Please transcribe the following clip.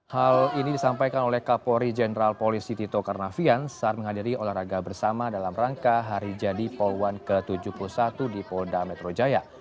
hal ini disampaikan oleh kapolri jenderal polisi tito karnavian saat menghadiri olahraga bersama dalam rangka hari jadi polwan ke tujuh puluh satu di polda metro jaya